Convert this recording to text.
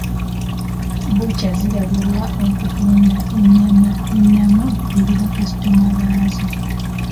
Bbukya ziwabulwa okutunda ennyama ennamu eri ba kaasitoma baazo.